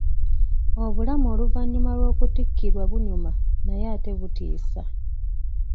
Obulamu oluvannyuma lw'okutikkirwa bunyuma naye ate butiisa.